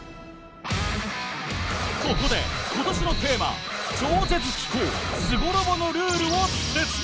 ここで今年のテーマ「超絶機巧すごロボ」のルールを説明。